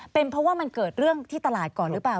เป็นเพราะว่ามันเกิดเรื่องที่ตลาดก่อนหรือเปล่า